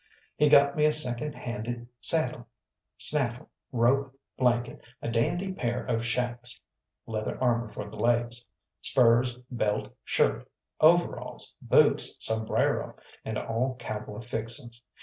He got me a second handed saddle, snaffle, rope, blanket, a dandy pair of shaps (leather armour for the legs), spurs, belt, shirt, overalls, boots, sombrero, and all cowboy fixings.